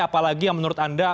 apalagi yang menurut anda